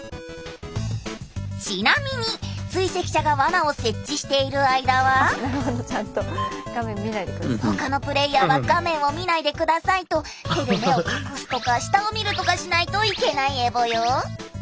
ちなみに追跡者が罠を設置している間は他のプレイヤーは画面を見ないでくださいと手で目を隠すとか下を見るとかしないといけないエボよ！